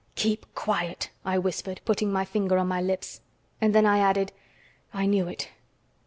"Keep quiet!" I whispered, putting my finger on my lips, and then I added: "I knew it."